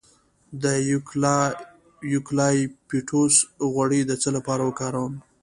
د یوکالیپټوس غوړي د څه لپاره وکاروم؟